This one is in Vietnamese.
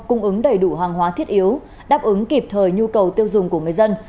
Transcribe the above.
cung ứng đầy đủ hàng hóa thiết yếu đáp ứng kịp thời nhu cầu tiêu dùng của người dân